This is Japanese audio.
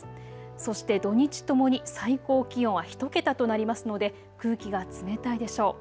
そして土日ともに最高気温は１桁となりますので空気が冷たいでしょう。